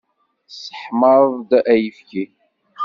Tesseḥmaḍ-d ayefki?